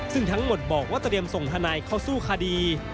ซึ่งทั้งหมดบอกว่าเตรียมส่งทนายเข้าสู้คดี